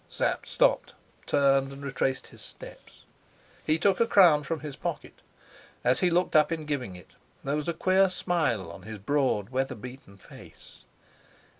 Sapt stopped, turned, and retraced his steps. He took a crown from his pocket. As he looked up in giving it, there was a queer smile on his broad, weather beaten face.